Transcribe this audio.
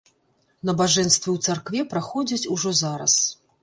Набажэнствы ў царкве праходзяць ужо зараз.